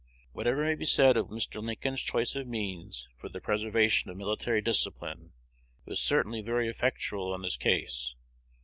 Whatever may be said of Mr. Lincoln's choice of means for the preservation of military discipline, it was certainly very effectual in this case.